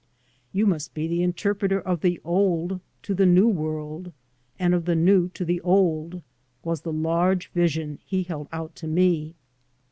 '* You must be the interpreter of the old to the new world, and of the new to the old," was the large vision he held out to me.